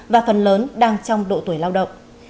và phần lớn đang trong độ tuổi lao động